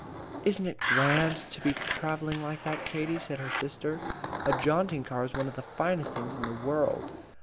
"Isn't it grand to be travelling like that, Katie?" said her sister. "A jaunting car is one of the finest things in the world."